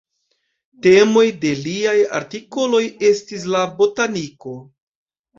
Temoj de liaj artikoloj estis la botaniko.